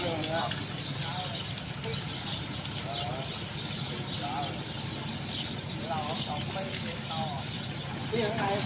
และอันดับสุดท้ายประเทศกรรมกับประเทศอเมริกา